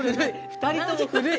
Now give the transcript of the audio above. ２人とも古い！